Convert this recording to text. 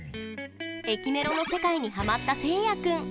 駅メロの世界にハマったせいや君。